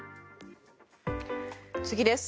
次です。